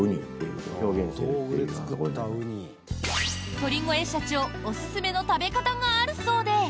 鳥越社長おすすめの食べ方があるそうで。